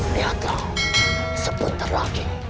lihatlah sebentar lagi